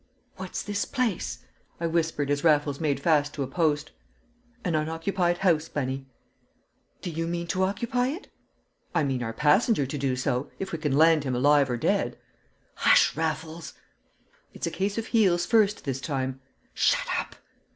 "What's this place?" I whispered as Raffles made fast to a post. "An unoccupied house, Bunny." "Do you mean to occupy it?" "I mean our passenger to do so if we can land him alive or dead!" "Hush, Raffles!" "It's a case of heels first, this time " "Shut up!"